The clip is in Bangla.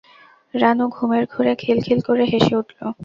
রানু ঘুমের ঘোরে খিলখিল করে হেসে উঠল।